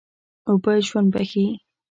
اوبه ژوند بښي.